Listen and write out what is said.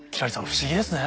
不思議ですね。